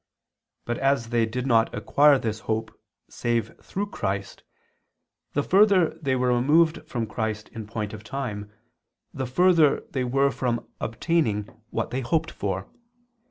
But as they did not acquire this hope save through Christ, the further they were removed from Christ in point of time, the further they were from obtaining what they hoped for.